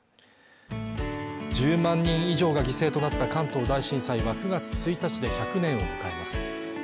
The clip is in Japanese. １０万人以上が犠牲となった関東大震災は９月１日で１００年を迎えます